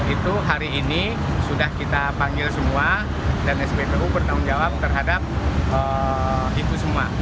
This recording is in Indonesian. itu hari ini sudah kita panggil semua dan spbu bertanggung jawab terhadap itu semua